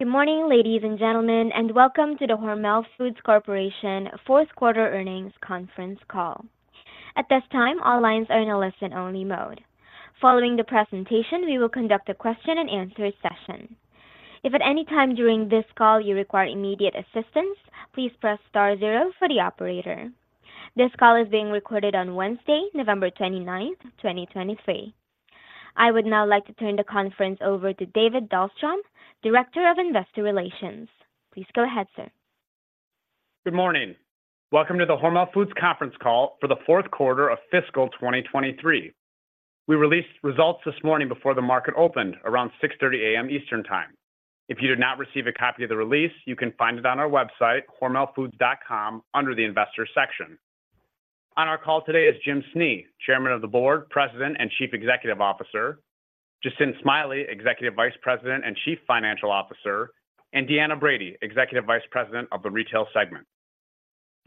Good morning, ladies and gentlemen, and welcome to the Hormel Foods Corporation fourth quarter earnings conference call. At this time, all lines are in a listen-only mode. Following the presentation, we will conduct a question-and-answer session. If at any time during this call you require immediate assistance, please press star zero for the Operator. This call is being recorded on Wednesday, November 29, 2023. I would now like to turn the conference over to David Dahlstrom, Director of Investor Relations. Please go ahead, sir. Good morning. Welcome to the Hormel Foods conference call for the fourth quarter of fiscal 2023. We released results this morning before the market opened, around 6:30 A.M. Eastern Time. If you did not receive a copy of the release, you can find it on our website, hormelfoods.com, under the Investors section. On our call today is Jim Snee, Chairman of the Board, President, and Chief Executive Officer, Jacinth Smiley, Executive Vice President and Chief Financial Officer, and Deanna Brady, Executive Vice President of the Retail Segment.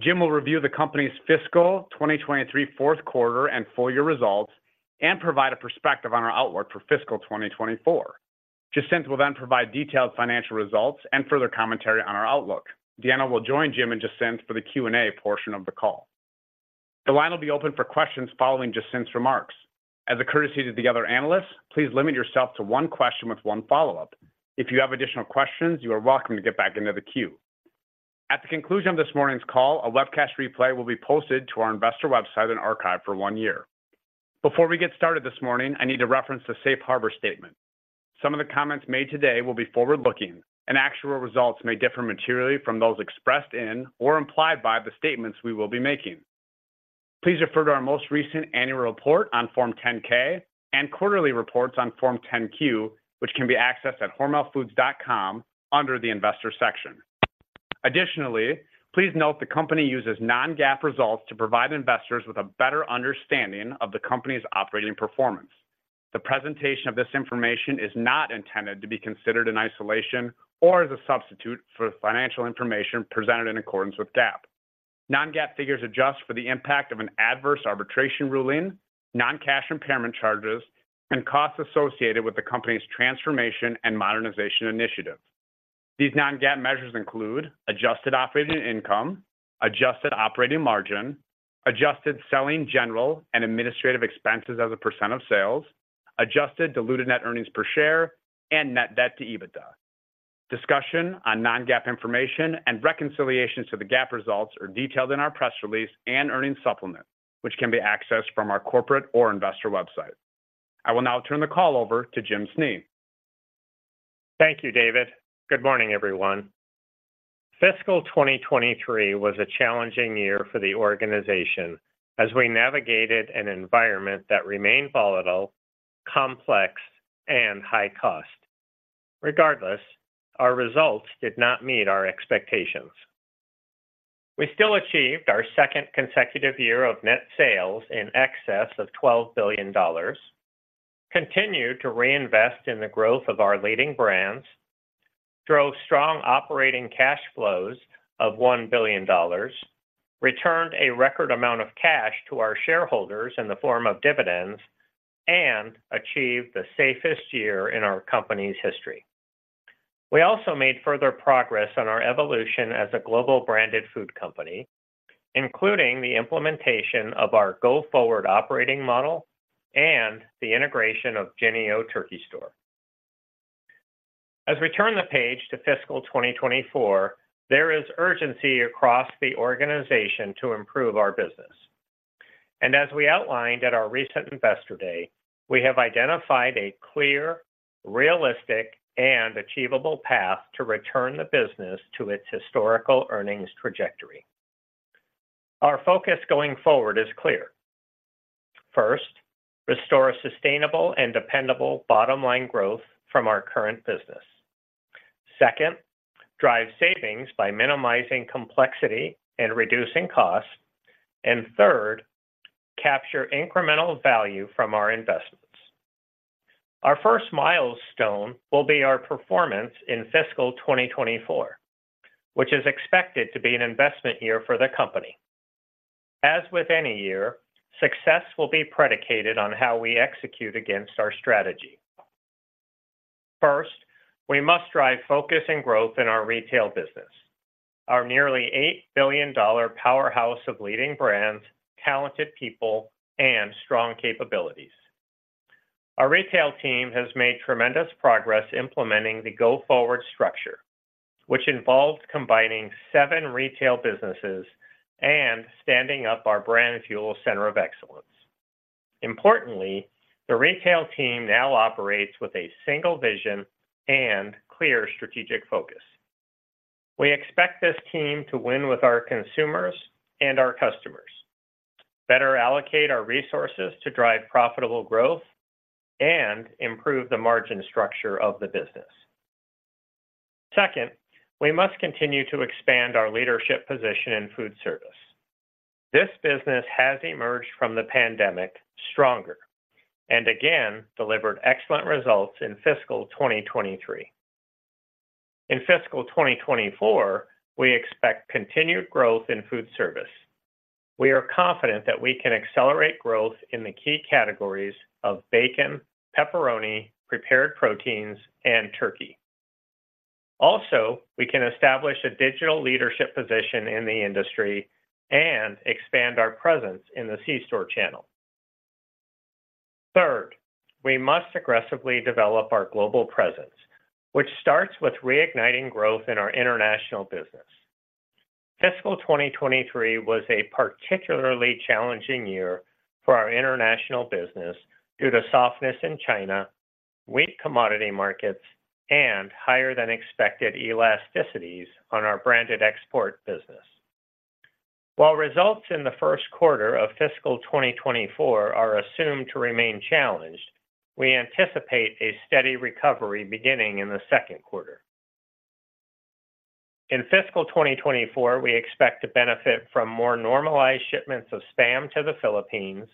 Jim will review the company's fiscal 2023 fourth quarter and full year results, and provide a perspective on our outlook for fiscal 2024. Jacinth will then provide detailed financial results and further commentary on our outlook. Deanna will join Jim and Jacinth for the Q&A portion of the call. The line will be open for questions following Jacinth's remarks. As a courtesy to the other analysts, please limit yourself to one question with one follow-up. If you have additional questions, you are welcome to get back into the queue. At the conclusion of this morning's call, a webcast replay will be posted to our investor website and archived for one year. Before we get started this morning, I need to reference the Safe Harbor statement. Some of the comments made today will be forward-looking, and actual results may differ materially from those expressed in or implied by the statements we will be making. Please refer to our most recent annual report on Form 10-K and quarterly reports on Form 10-Q, which can be accessed at hormelfoods.com under the Investor section. Additionally, please note the company uses non-GAAP results to provide investors with a better understanding of the company's operating performance. The presentation of this information is not intended to be considered in isolation or as a substitute for the financial information presented in accordance with GAAP. Non-GAAP figures adjust for the impact of an adverse arbitration ruling, non-cash impairment charges, and costs associated with the company's transformation and modernization initiative. These non-GAAP measures include Adjusted Operating Income, Adjusted Operating Margin, adjusted selling, general, and administrative expenses as a % of sales, adjusted diluted net earnings per share, and net debt to EBITDA. Discussion on non-GAAP information and reconciliations to the GAAP results are detailed in our press release and earnings supplement, which can be accessed from our corporate or investor website. I will now turn the call over to Jim Snee. Thank you, David. Good morning, everyone. Fiscal 2023 was a challenging year for the organization as we navigated an environment that remained volatile, complex, and high cost. Regardless, our results did not meet our expectations. We still achieved our second consecutive year of net sales in excess of $12 billion, continued to reinvest in the growth of our leading brands, drove strong operating cash flows of $1 billion, returned a record amount of cash to our shareholders in the form of dividends, and achieved the safest year in our company's history. We also made further progress on our evolution as a global branded food company, including the implementation of our Go-Forward operating model and the integration of Jennie-O Turkey Store. As we turn the page to fiscal 2024, there is urgency across the organization to improve our business. As we outlined at our recent Investor Day, we have identified a clear, realistic, and achievable path to return the business to its historical earnings trajectory. Our focus going forward is clear. First, restore sustainable and dependable bottom-line growth from our current business. Second, drive savings by minimizing complexity and reducing costs. And third, capture incremental value from our investments. Our first milestone will be our performance in fiscal 2024, which is expected to be an investment year for the company. As with any year, success will be predicated on how we execute against our strategy. First, we must drive focus and growth in our retail business, our nearly $8 billion powerhouse of leading brands, talented people, and strong capabilities. Our retail team has made tremendous progress implementing the Go-Forward structure, which involves combining seven retail businesses and standing up our Brand Fuel center of excellence. Importantly, the retail team now operates with a single vision and clear strategic focus. We expect this team to win with our consumers and our customers, better allocate our resources to drive profitable growth, and improve the margin structure of the business. Second, we must continue to expand our leadership position in foodservice. This business has emerged from the pandemic stronger and again delivered excellent results in fiscal 2023. In fiscal 2024, we expect continued growth in foodservice. We are confident that we can accelerate growth in the key categories of bacon, pepperoni, prepared proteins, and turkey. Also, we can establish a digital leadership position in the industry and expand our presence in the C-store channel. Third, we must aggressively develop our global presence, which starts with reigniting growth in our international business. Fiscal 2023 was a particularly challenging year for our international business due to softness in China, weak commodity markets, and higher than expected elasticities on our branded export business. While results in the first quarter of fiscal 2024 are assumed to remain challenged, we anticipate a steady recovery beginning in the second quarter. In fiscal 2024, we expect to benefit from more normalized shipments of SPAM to the Philippines,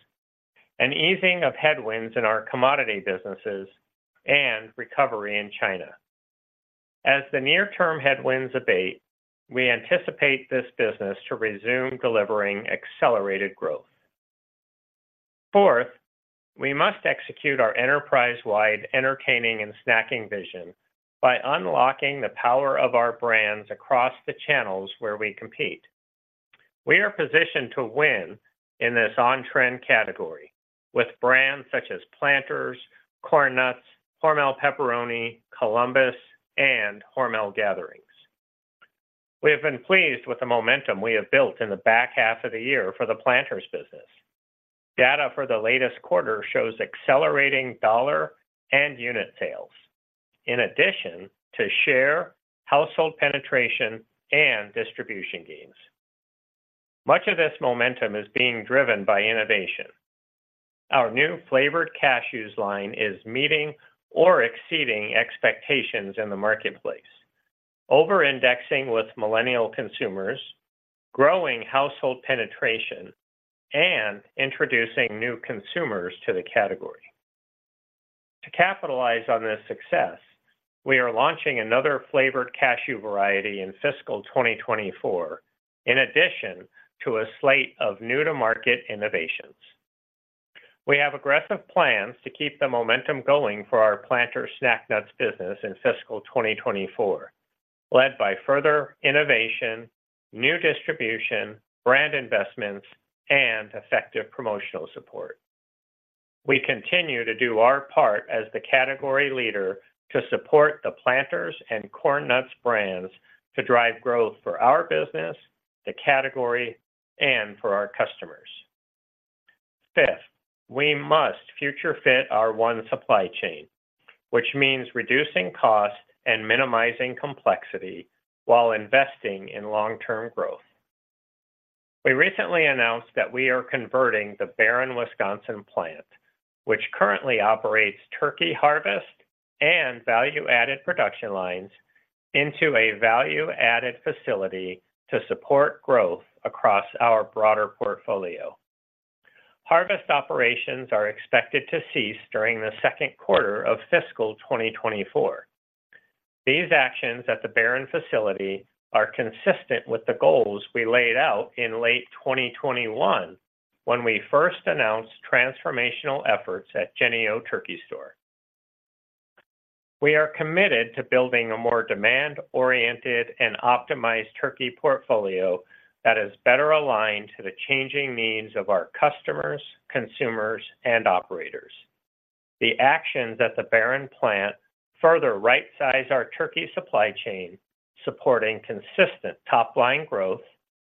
an easing of headwinds in our commodity businesses, and recovery in China. As the near term headwinds abate, we anticipate this business to resume delivering accelerated growth. Fourth, we must execute our enterprise-wide entertaining and snacking vision by unlocking the power of our brands across the channels where we compete. We are positioned to win in this on-trend category with brands such as Planters, Corn Nuts, Hormel Pepperoni, Columbus, and Hormel Gatherings. We have been pleased with the momentum we have built in the back half of the year for the Planters business. Data for the latest quarter shows accelerating dollar and unit sales, in addition to share, household penetration, and distribution gains. Much of this momentum is being driven by innovation. Our new flavored cashews line is meeting or exceeding expectations in the marketplace, over-indexing with millennial consumers, growing household penetration, and introducing new consumers to the category. To capitalize on this success, we are launching another flavored cashew variety in fiscal 2024, in addition to a slate of new-to-market innovations. We have aggressive plans to keep the momentum going for our Planters snack nuts business in fiscal 2024, led by further innovation, new distribution, brand investments, and effective promotional support. We continue to do our part as the category leader to support the Planters and Corn Nuts brands to drive growth for our business, the category, and for our customers. Fifth, we must future fit our One Supply Chain, which means reducing costs and minimizing complexity while investing in long-term growth. We recently announced that we are converting the Barron, Wisconsin plant, which currently operates turkey harvest and value-added production lines, into a value-added facility to support growth across our broader portfolio. Harvest operations are expected to cease during the second quarter of fiscal 2024. These actions at the Barron facility are consistent with the goals we laid out in late 2021, when we first announced transformational efforts at Jennie-O Turkey Store. We are committed to building a more demand-oriented and optimized turkey portfolio that is better aligned to the changing needs of our customers, consumers, and operators. The actions at the Barron plant further rightsize our turkey supply chain, supporting consistent top-line growth,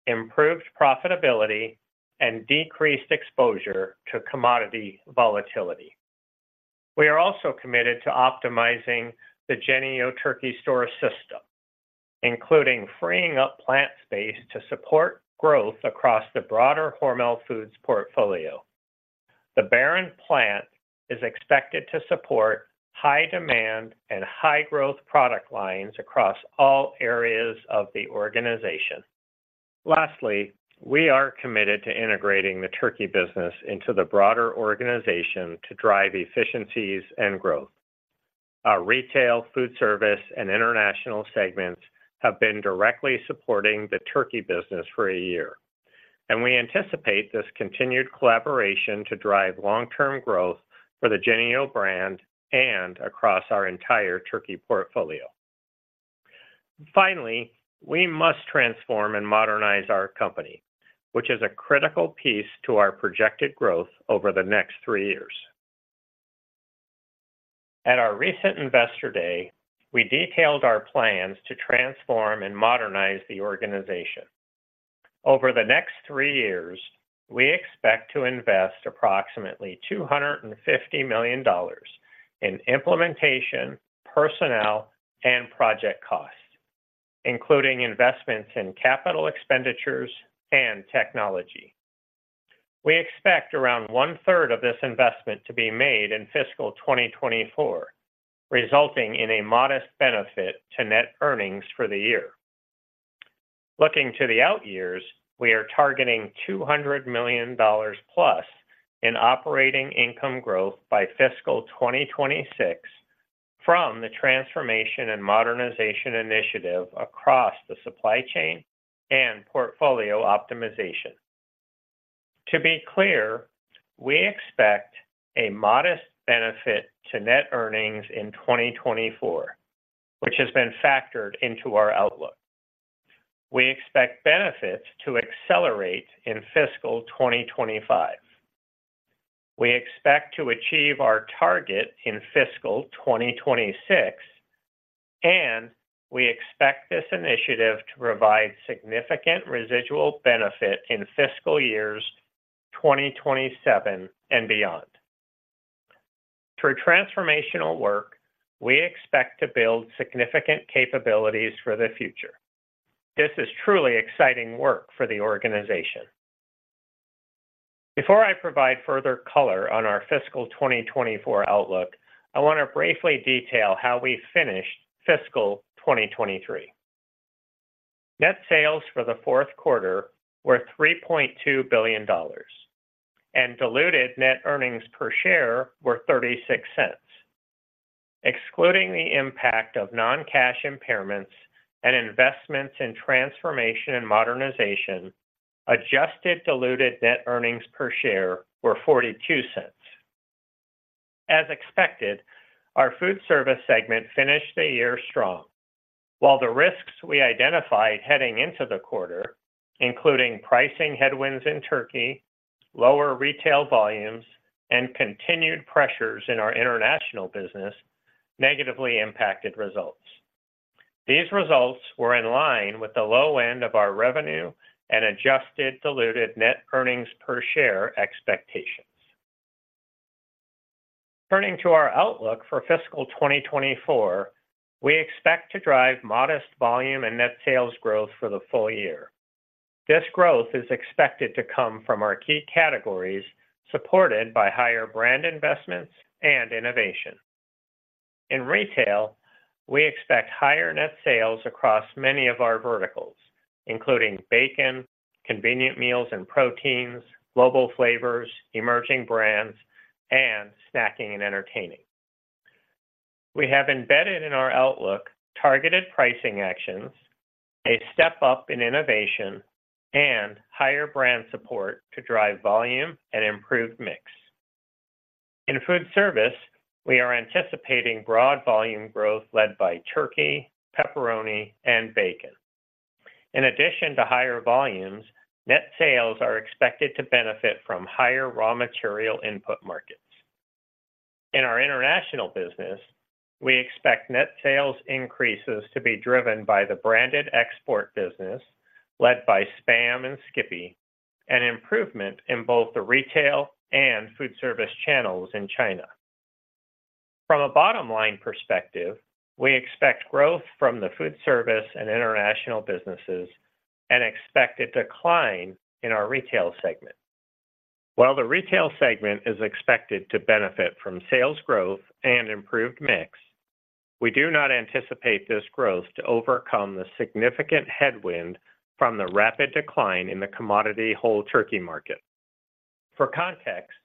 improved profitability, and decreased exposure to commodity volatility. We are also committed to optimizing the Jennie-O Turkey Store system, including freeing up plant space to support growth across the broader Hormel Foods portfolio. The Barron plant is expected to support high demand and high growth product lines across all areas of the organization. Lastly, we are committed to integrating the turkey business into the broader organization to drive efficiencies and growth. Our retail, foodservice, and international segments have been directly supporting the turkey business for a year, and we anticipate this continued collaboration to drive long-term growth for the Jennie-O brand and across our entire turkey portfolio. Finally, we must transform and modernize our company, which is a critical piece to our projected growth over the next three years. At our recent Investor Day, we detailed our plans to Transform and Modernize the organization. Over the next three years, we expect to invest approximately $250 million in implementation, personnel, and project costs, including investments in capital expenditures and technology. We expect around one-third of this investment to be made in fiscal 2024, resulting in a modest benefit to net earnings for the year. Looking to the out years, we are targeting $200 million+ in operating income growth by fiscal 2026.... from the Transform and Modernize initiative across the supply chain and portfolio optimization. To be clear, we expect a modest benefit to net earnings in 2024, which has been factored into our outlook. We expect benefits to accelerate in fiscal 2025. We expect to achieve our target in fiscal 2026, and we expect this initiative to provide significant residual benefit in fiscal years 2027 and beyond. Through transformational work, we expect to build significant capabilities for the future. This is truly exciting work for the organization. Before I provide further color on our fiscal 2024 outlook, I want to briefly detail how we finished fiscal 2023. Net sales for the fourth quarter were $3.2 billion, and diluted net earnings per share were $0.36. Excluding the impact of non-cash impairments and investments in transformation and modernization, adjusted diluted net earnings per share were $0.42. As expected, our foodservice segment finished the year strong, while the risks we identified heading into the quarter, including pricing headwinds in turkey, lower retail volumes, and continued pressures in our international business, negatively impacted results. These results were in line with the low end of our revenue and adjusted diluted net earnings per share expectations. Turning to our outlook for fiscal 2024, we expect to drive modest volume and net sales growth for the full year. This growth is expected to come from our key categories, supported by higher brand investments and innovation. In retail, we expect higher net sales across many of our verticals, including bacon, convenient meals and proteins, global flavors, emerging brands, and snacking and entertaining. We have embedded in our outlook targeted pricing actions, a step up in innovation, and higher brand support to drive volume and improved mix. In foodservice, we are anticipating broad volume growth led by turkey, pepperoni, and bacon. In addition to higher volumes, net sales are expected to benefit from higher raw material input markets. In our international business, we expect net sales increases to be driven by the branded export business, led by SPAM and Skippy, an improvement in both the retail and foodservice channels in China. From a bottom-line perspective, we expect growth from the foodservice and international businesses and expect a decline in our retail segment. While the retail segment is expected to benefit from sales growth and improved mix, we do not anticipate this growth to overcome the significant headwind from the rapid decline in the commodity whole turkey market. For context,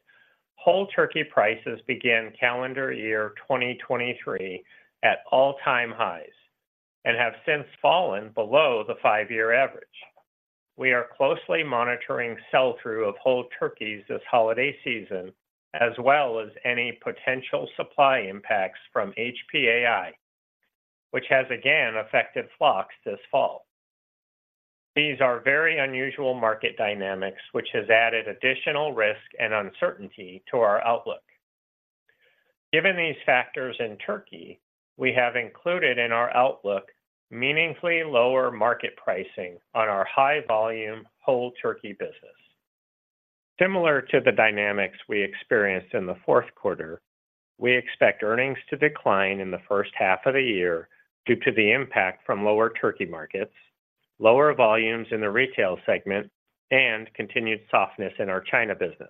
whole turkey prices began calendar year 2023 at all-time highs and have since fallen below the five-year average. We are closely monitoring sell-through of whole turkeys this holiday season, as well as any potential supply impacts from HPAI, which has again affected flocks this fall. These are very unusual market dynamics, which has added additional risk and uncertainty to our outlook. Given these factors in turkey, we have included in our outlook meaningfully lower market pricing on our high-volume whole turkey business. Similar to the dynamics we experienced in the fourth quarter, we expect earnings to decline in the first half of the year due to the impact from lower turkey markets, lower volumes in the retail segment, and continued softness in our China business.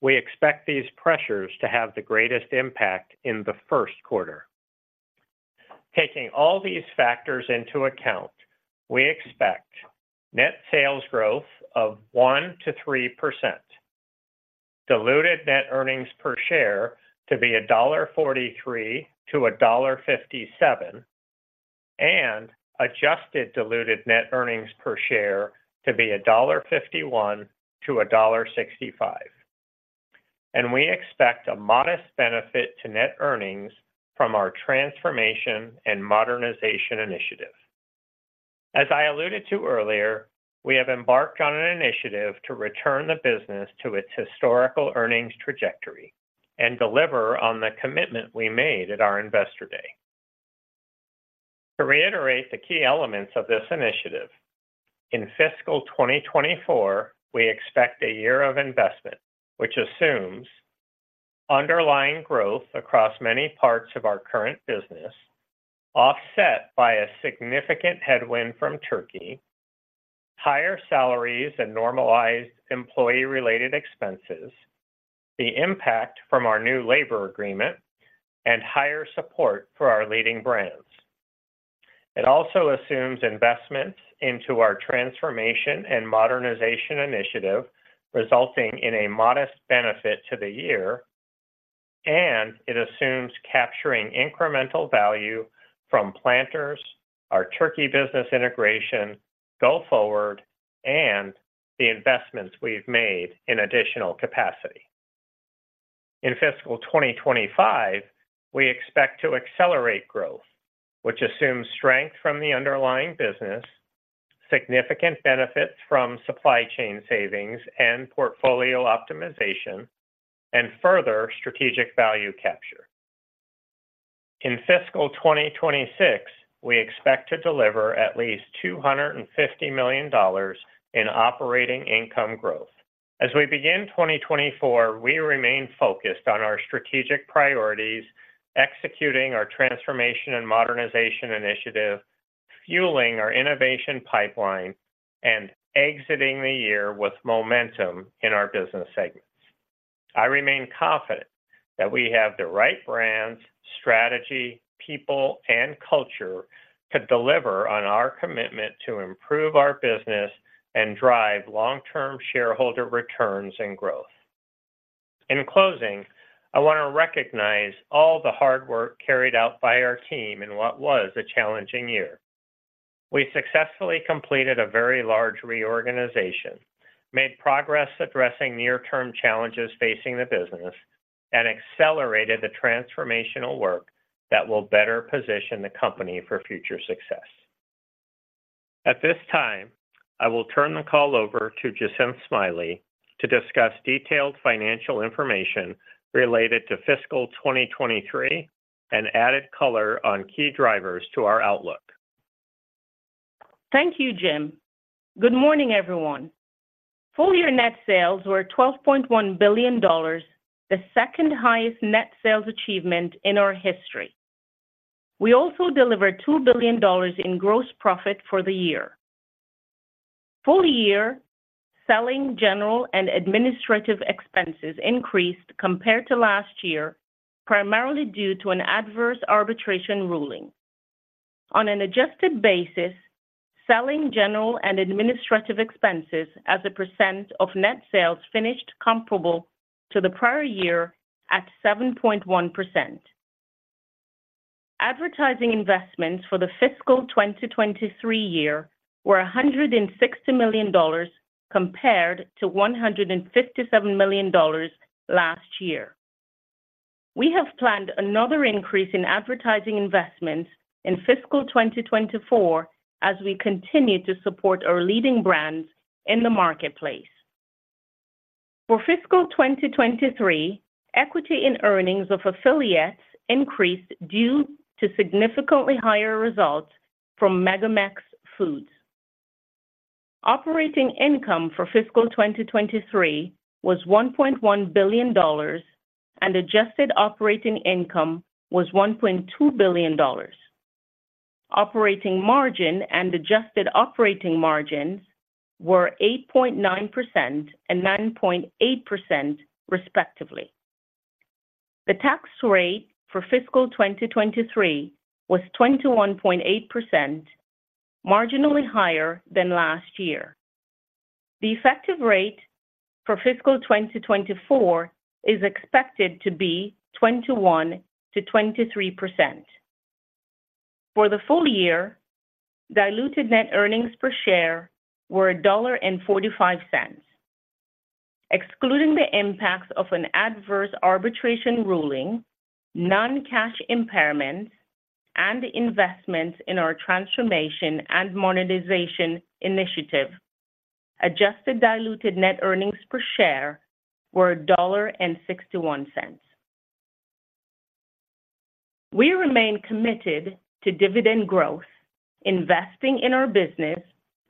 We expect these pressures to have the greatest impact in the first quarter. Taking all these factors into account, we expect net sales growth of 1%-3%, diluted net earnings per share to be $1.43-$1.57, and adjusted diluted net earnings per share to be $1.51-$1.65. We expect a modest benefit to net earnings from our transformation and modernization initiative. As I alluded to earlier, we have embarked on an initiative to return the business to its historical earnings trajectory and deliver on the commitment we made at our Investor Day. To reiterate the key elements of this initiative, in fiscal 2024, we expect a year of investment, which assumes underlying growth across many parts of our current business, offset by a significant headwind from turkey, higher salaries and normalized employee-related expenses, the impact from our new labor agreement, and higher support for our leading brands. It also assumes investments into our transformation and modernization initiative, resulting in a modest benefit to the year, and it assumes capturing incremental value from Planters, our turkey business integration, Go-Forward, and the investments we've made in additional capacity. In fiscal 2025, we expect to accelerate growth, which assumes strength from the underlying business, significant benefits from supply chain savings and portfolio optimization, and further strategic value capture. In fiscal 2026, we expect to deliver at least $250 million in operating income growth. As we begin 2024, we remain focused on our strategic priorities, executing our Transform and Modernize initiative, fueling our Innovation Pipeline, and exiting the year with momentum in our business segments. I remain confident that we have the right brands, strategy, people, and culture to deliver on our commitment to improve our business and drive long-term shareholder returns and growth. In closing, I want to recognize all the hard work carried out by our team in what was a challenging year. We successfully completed a very large reorganization, made progress addressing near-term challenges facing the business, and accelerated the transformational work that will better position the company for future success. At this time, I will turn the call over to Jacinth Smiley to discuss detailed financial information related to fiscal 2023 and added color on key drivers to our outlook. Thank you, Jim. Good morning, everyone. Full-year net sales were $12.1 billion, the second highest net sales achievement in our history. We also delivered $2 billion in gross profit for the year. Full-year, selling, general, and administrative expenses increased compared to last year, primarily due to an adverse arbitration ruling. On an adjusted basis, selling, general, and administrative expenses as a percent of net sales finished comparable to the prior year at 7.1%. Advertising investments for the fiscal 2023 year were $160 million, compared to $157 million last year. We have planned another increase in advertising investments in fiscal 2024 as we continue to support our leading brands in the marketplace. For fiscal 2023, equity in earnings of affiliates increased due to significantly higher results from MegaMex Foods. Operating income for fiscal 2023 was $1.1 billion, and adjusted operating income was $1.2 billion. Operating margin and adjusted operating margins were 8.9% and 9.8% respectively. The tax rate for fiscal 2023 was 21.8%, marginally higher than last year. The effective rate for fiscal 2024 is expected to be 21%-23%. For the full year, diluted net earnings per share were $1.45. Excluding the impacts of an adverse arbitration ruling, non-cash impairment, and investment in our transformation and modernization initiative, adjusted diluted net earnings per share were $1.61. We remain committed to dividend growth, investing in our business,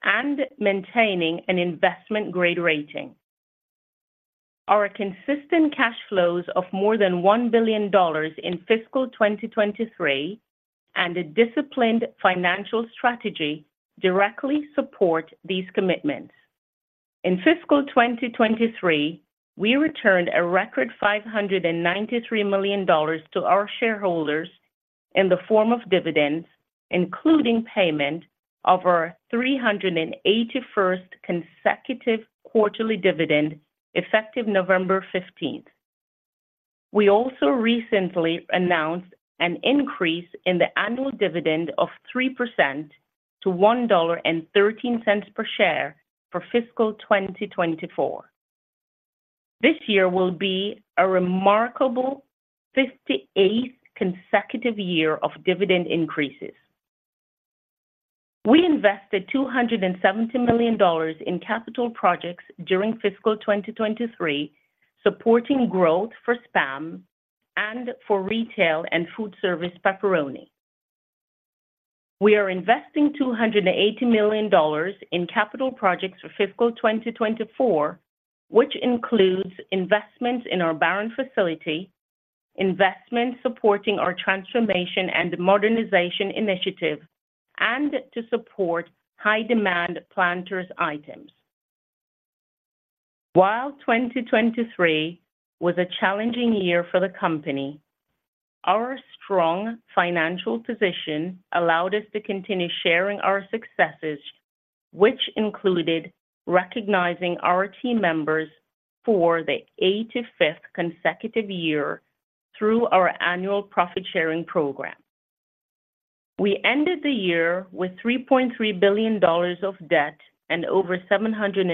and maintaining an investment-grade rating. Our consistent cash flows of more than $1 billion in fiscal 2023 and a disciplined financial strategy directly support these commitments. In fiscal 2023, we returned a record $593 million to our shareholders in the form of dividends, including payment of our 381st consecutive quarterly dividend, effective November fifteenth. We also recently announced an increase in the annual dividend of 3% to $1.13 per share for fiscal 2024. This year will be a remarkable 58th consecutive year of dividend increases. We invested $270 million in capital projects during fiscal 2023, supporting growth for SPAM and for retail and foodservice pepperoni. We are investing $280 million in capital projects for fiscal 2024, which includes investments in our Barron facility, investments supporting our transformation and modernization initiative, and to support high-demand Planters items. While 2023 was a challenging year for the company, our strong financial position allowed us to continue sharing our successes, which included recognizing our team members for the 85th consecutive year through our annual profit-sharing program. We ended the year with $3.3 billion of debt and over $750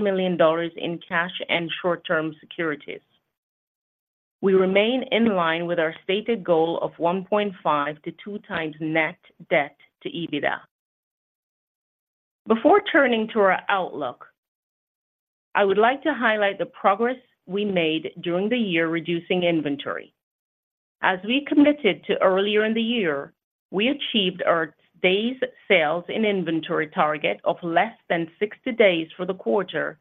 million in cash and short-term securities. We remain in line with our stated goal of 1.5x-2x net debt to EBITDA. Before turning to our outlook, I would like to highlight the progress we made during the year, reducing inventory. As we committed to earlier in the year, we achieved our days sales in inventory target of less than 60 days for the quarter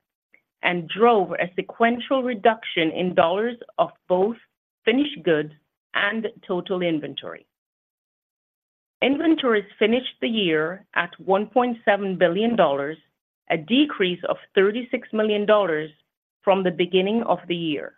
and drove a sequential reduction in dollars of both finished goods and total inventory. Inventories finished the year at $1.7 billion, a decrease of $36 million from the beginning of the year.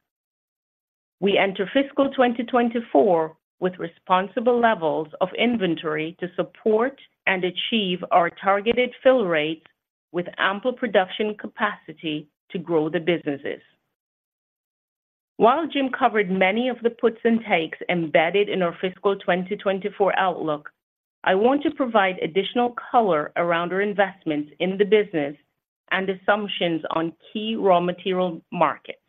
We enter fiscal 2024 with responsible levels of inventory to support and achieve our targeted fill rates, with ample production capacity to grow the businesses. While Jim covered many of the puts and takes embedded in our fiscal 2024 outlook, I want to provide additional color around our investments in the business and assumptions on key raw material markets.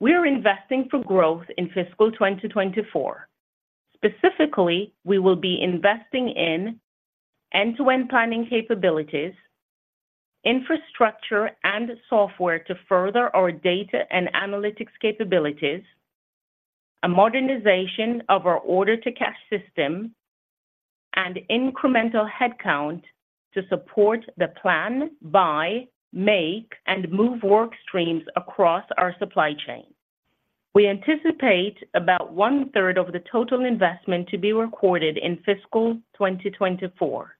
We are investing for growth in fiscal 2024. Specifically, we will be investing in end-to-end planning capabilities, infrastructure and software to further our data and analytics capabilities, a modernization of our order to cash system, and incremental headcount to support the Plan, Buy, Make, and Move work streams across our Supply Chain. We anticipate about one-third of the total investment to be recorded in fiscal 2024.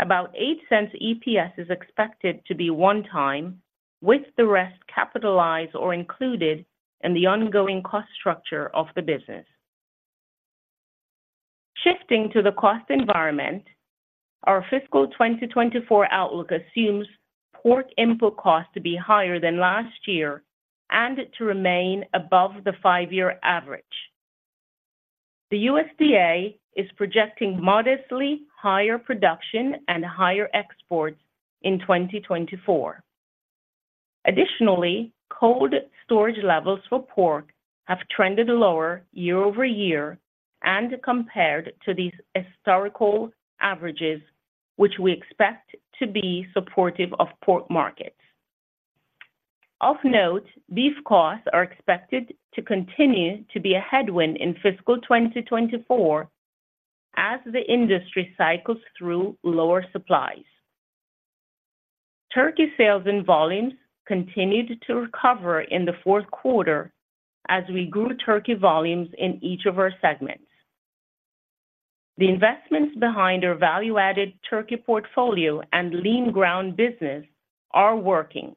About $0.08 EPS is expected to be one-time, with the rest capitalized or included in the ongoing cost structure of the business. Shifting to the cost environment, our fiscal 2024 outlook assumes pork input costs to be higher than last year and to remain above the 5-year average. The USDA is projecting modestly higher production and higher exports in 2024. Additionally, cold storage levels for pork have trended lower year-over-year and compared to these historical averages, which we expect to be supportive of pork markets. Of note, these costs are expected to continue to be a headwind in fiscal 2024 as the industry cycles through lower supplies. Turkey sales and volumes continued to recover in the fourth quarter as we grew turkey volumes in each of our segments. The investments behind our value-added turkey portfolio and lean ground business are working,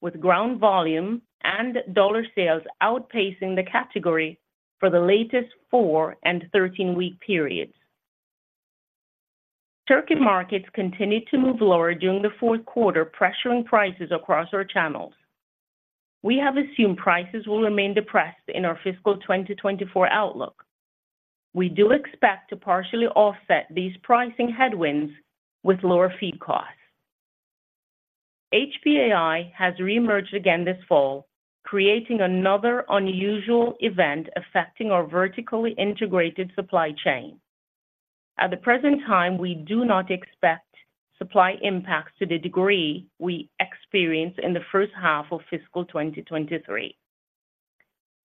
with ground volume and dollar sales outpacing the category for the latest 4-week and 13-week periods. Turkey markets continued to move lower during the fourth quarter, pressuring prices across our channels. We have assumed prices will remain depressed in our fiscal 2024 outlook. We do expect to partially offset these pricing headwinds with lower feed costs. HPAI has reemerged again this fall, creating another unusual event affecting our vertically integrated supply chain. At the present time, we do not expect supply impacts to the degree we experienced in the first half of fiscal 2023.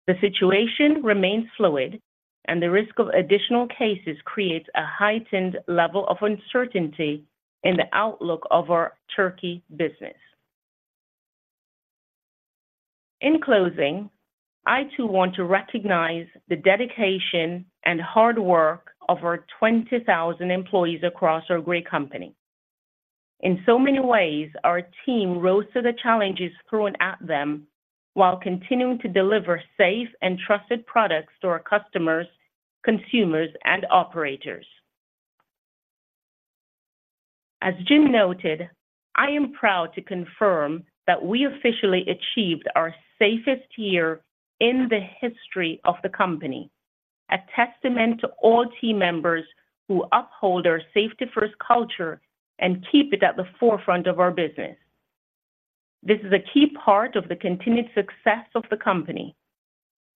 The situation remains fluid, and the risk of additional cases creates a heightened level of uncertainty in the outlook of our turkey business. In closing, I, too, want to recognize the dedication and hard work of our 20,000 employees across our great company. In so many ways, our team rose to the challenges thrown at them while continuing to deliver safe and trusted products to our customers, consumers, and operators. As Jim noted, I am proud to confirm that we officially achieved our safest year in the history of the company, a testament to all team members who uphold our safety-first culture and keep it at the forefront of our business. This is a key part of the continued success of the company,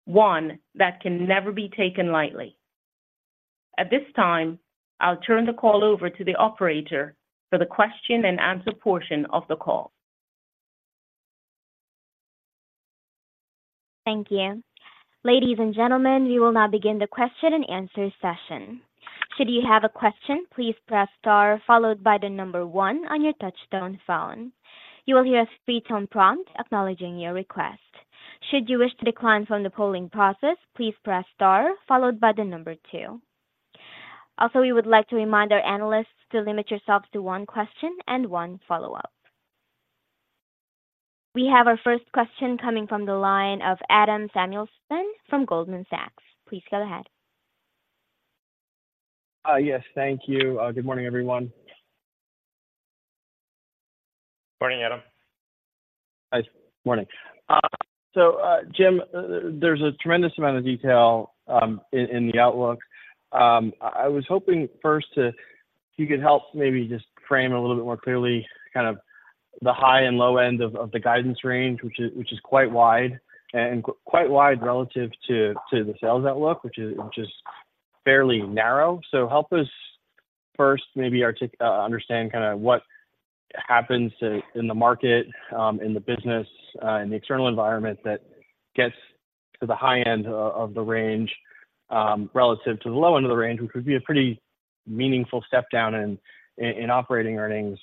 one that can never be taken lightly. At this time, I'll turn the call over to the operator for the question and answer portion of the call. Thank you. Ladies and gentlemen, we will now begin the question and answer session. Should you have a question, please press star followed by the number one on your touchtone phone. You will hear a spoken prompt, acknowledging your request. Should you wish to decline from the polling process, please press star followed by the number two. Also, we would like to remind our analysts to limit yourselves to one question and one follow-up. We have our first question coming from the line of Adam Samuelson from Goldman Sachs. Please go ahead. Yes, thank you. Good morning, everyone. Morning, Adam. Hi. Morning. So, Jim, there's a tremendous amount of detail in the outlook. I was hoping first to, if you could help maybe just frame a little bit more clearly kind of the high and low end of the guidance range, which is quite wide, and quite wide relative to the sales outlook, which is fairly narrow. So help us first maybe understand kinda what happens in the market, in the business, in the external environment that gets to the high end of the range, relative to the low end of the range, which would be a pretty meaningful step down in operating earnings,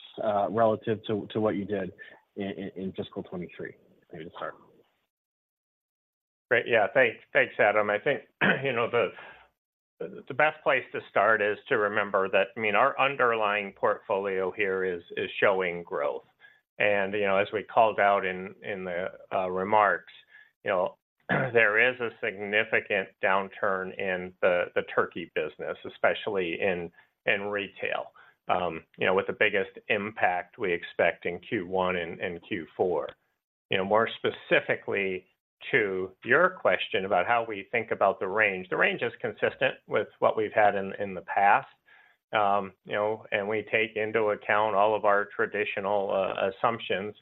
relative to what you did in fiscal 2023, maybe to start. Great. Yeah. Thanks, thanks, Adam. I think, you know, the best place to start is to remember that, I mean, our underlying portfolio here is showing growth. And, you know, as we called out in the remarks, you know, there is a significant downturn in the turkey business, especially in retail. You know, with the biggest impact we expect in Q1 and Q4. You know, more specifically to your question about how we think about the range, the range is consistent with what we've had in the past. You know, and we take into account all of our traditional assumptions.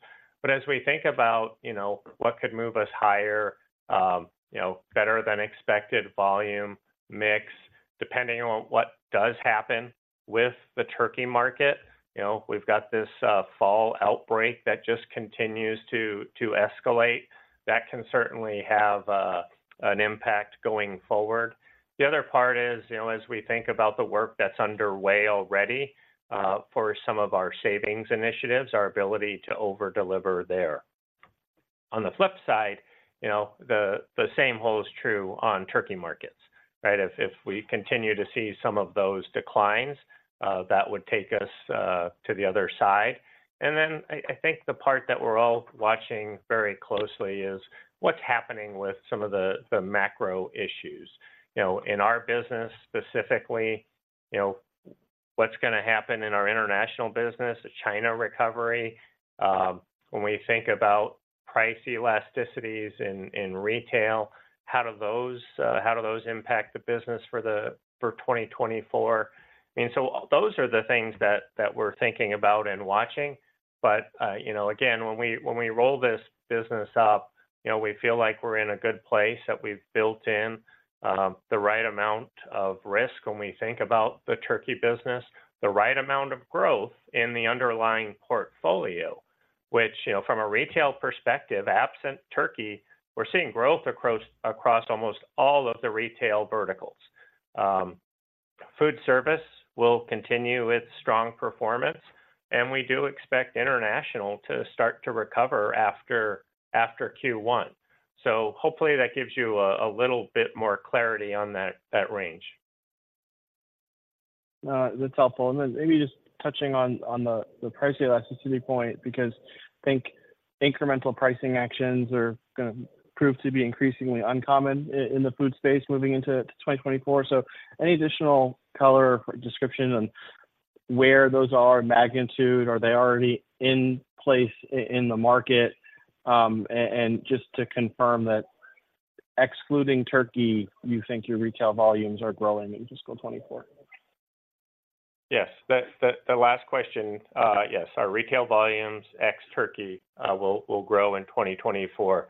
But as we think about, you know, what could move us higher, you know, better than expected volume, mix, depending on what does happen with the turkey market. You know, we've got this fall outbreak that just continues to escalate. That can certainly have an impact going forward. The other part is, you know, as we think about the work that's underway already for some of our savings initiatives, our ability to over-deliver there. On the flip side, you know, the same holds true on turkey markets, right? If we continue to see some of those declines, that would take us to the other side. And then I think the part that we're all watching very closely is what's happening with some of the macro issues. You know, in our business specifically, you know, what's gonna happen in our international business, the China recovery? When we think about price elasticities in retail, how do those impact the business for 2024? I mean, so those are the things that we're thinking about and watching. But you know, again, when we roll this business up, you know, we feel like we're in a good place, that we've built in the right amount of risk when we think about the turkey business, the right amount of growth in the underlying portfolio, which, you know, from a retail perspective, absent turkey, we're seeing growth across almost all of the retail verticals. foodservice will continue its strong performance, and we do expect international to start to recover after Q1. So hopefully, that gives you a little bit more clarity on that range. That's helpful. And then maybe just touching on the price elasticity point, because I think incremental pricing actions are gonna prove to be increasingly uncommon in the food space moving into 2024. So any additional color or description on where those are in magnitude? Are they already in place in the market? And just to confirm that excluding turkey, you think your retail volumes are growing in fiscal 2024? Yes. The last question, yes, our retail volumes ex Turkey will grow in 2024.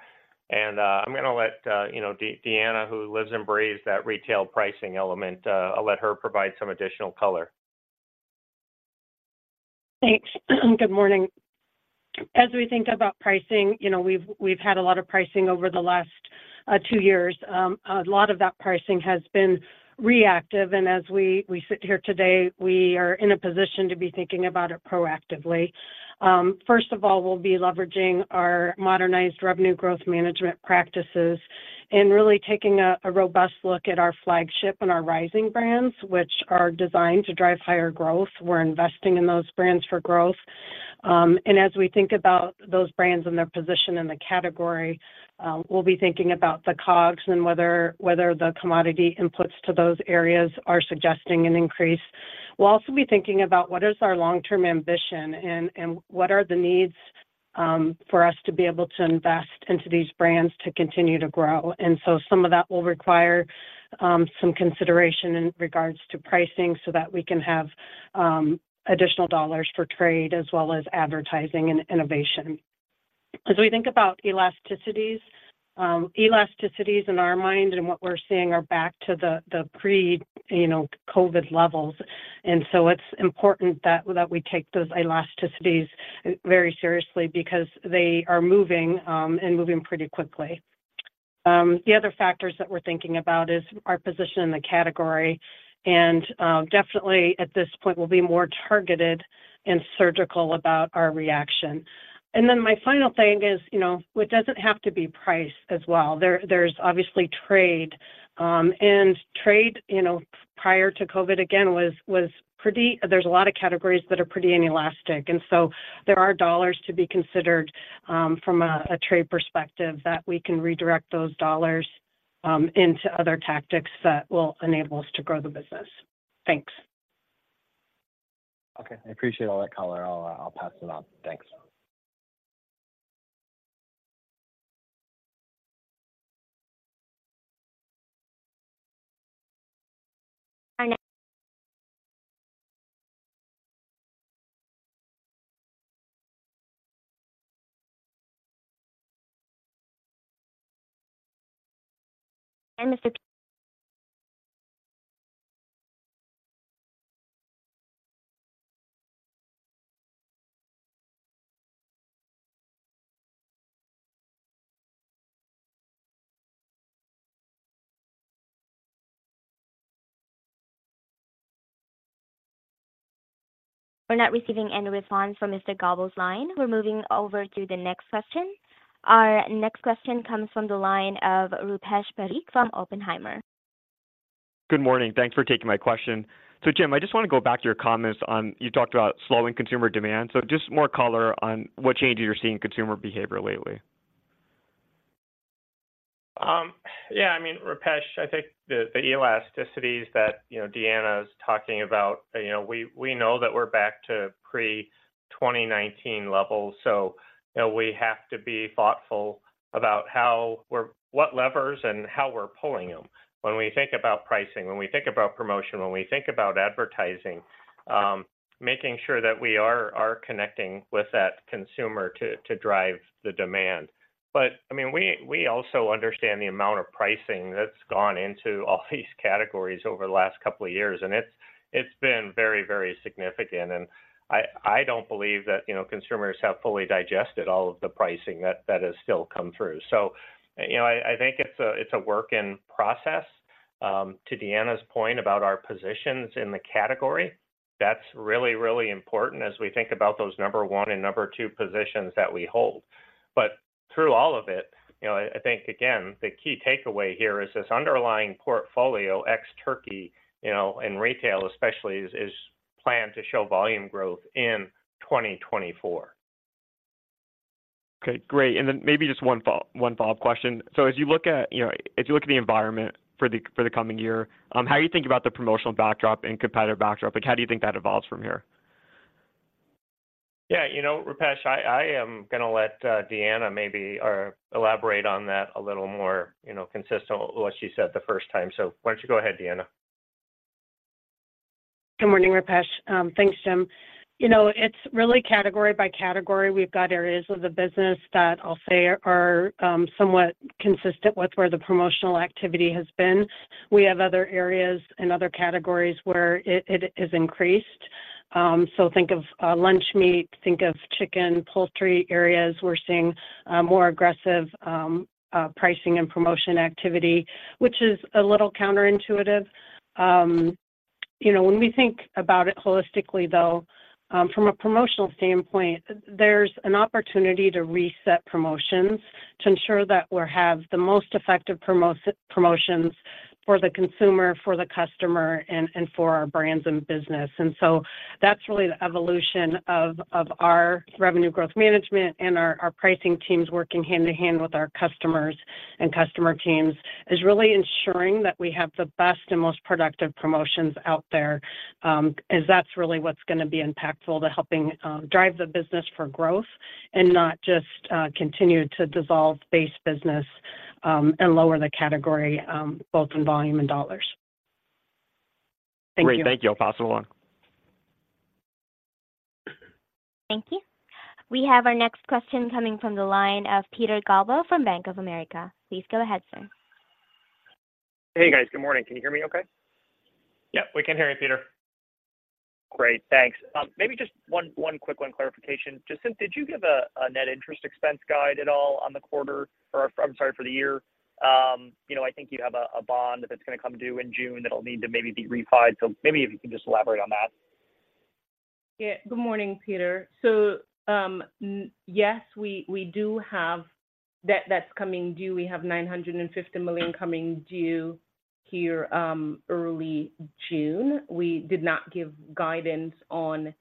And, I'm gonna let you know, Deanna, who lives and breathes that retail pricing element, I'll let her provide some additional color. Thanks. Good morning. As we think about pricing, you know, we've, we've had a lot of pricing over the last two years. A lot of that pricing has been reactive, and as we, we sit here today, we are in a position to be thinking about it proactively. First of all, we'll be leveraging our modernized Revenue Growth Management practices and really taking a, a robust look at our flagship and our rising brands, which are designed to drive higher growth. We're investing in those brands for growth. And as we think about those brands and their position in the category, we'll be thinking about the COGS and whether, whether the commodity inputs to those areas are suggesting an increase. We'll also be thinking about what is our long-term ambition and what are the needs for us to be able to invest into these brands to continue to grow. And so some of that will require some consideration in regards to pricing so that we can have additional dollars for trade as well as advertising and innovation. As we think about elasticities in our mind and what we're seeing are back to the pre, you know, COVID levels. And so it's important that we take those elasticities very seriously because they are moving and moving pretty quickly... The other factors that we're thinking about is our position in the category, and definitely at this point, we'll be more targeted and surgical about our reaction. Then my final thing is, you know, it doesn't have to be price as well. There's obviously trade, and trade, you know, prior to COVID, again, was pretty. There's a lot of categories that are pretty inelastic. So there are dollars to be considered, from a trade perspective that we can redirect those dollars into other tactics that will enable us to grow the business. Thanks. Okay, I appreciate all that color. I'll, I'll pass it on. Thanks. Hi. We're not receiving any response from Mr. Goldman's line. We're moving over to the next question. Our next question comes from the line of Rupesh Parikh from Oppenheimer. Good morning. Thanks for taking my question. So, Jim, I just wanna go back to your comments on, you talked about slowing consumer demand. Just more color on what changes you're seeing in consumer behavior lately. Yeah, I mean, Rupesh, I think the elasticities that you know Deanna is talking about, you know, we know that we're back to pre-2019 levels, so you know we have to be thoughtful about what levers and how we're pulling them. When we think about pricing, when we think about promotion, when we think about advertising, making sure that we are connecting with that consumer to drive the demand. But, I mean, we also understand the amount of pricing that's gone into all these categories over the last couple of years, and it's been very, very significant. I don't believe that, you know, consumers have fully digested all of the pricing that has still come through. So, you know, I think it's a work in process. To Deanna's point about our positions in the category, that's really, really important as we think about those number one and number two positions that we hold. But through all of it, you know, I think, again, the key takeaway here is this underlying portfolio, ex-turkey, you know, and retail especially, is planned to show volume growth in 2024. Okay, great. And then maybe just one follow-up question. So as you look at, you know, as you look at the environment for the, for the coming year, how do you think about the promotional backdrop and competitive backdrop? Like, how do you think that evolves from here? Yeah, you know, Rupesh, I, I am gonna let Deanna maybe elaborate on that a little more, you know, consistent with what she said the first time. So why don't you go ahead, Deanna? Good morning, Rupesh. Thanks, Jim. You know, it's really category by category. We've got areas of the business that I'll say are somewhat consistent with where the promotional activity has been. We have other areas and other categories where it has increased. So think of lunch meat, think of chicken, poultry areas. We're seeing more aggressive pricing and promotion activity, which is a little counterintuitive. You know, when we think about it holistically, though, from a promotional standpoint, there's an opportunity to reset promotions to ensure that we have the most effective promo-promotions for the consumer, for the customer, and for our brands and business. That's really the evolution of our revenue growth management and our pricing teams working hand in hand with our customers and customer teams, is really ensuring that we have the best and most productive promotions out there, as that's really what's gonna be impactful to helping drive the business for growth and not just continue to dissolve base business, and lower the category, both in volume and dollars. Thank you. Great. Thank you. I'll pass it along. Thank you. We have our next question coming from the line of Peter Galbo from Bank of America. Please go ahead, sir. Hey, guys. Good morning. Can you hear me okay? Yep, we can hear you, Peter. Great, thanks. Maybe just one quick one clarification. Jacinth, did you give a net interest expense guide at all on the quarter or, I'm sorry, for the year? You know, I think you have a bond that's gonna come due in June that'll need to maybe be refinanced. So maybe if you can just elaborate on that. Yeah. Good morning, Peter. So, yes, we, we do have debt that's coming due. We have $950 million coming due here, early June. We did not give guidance on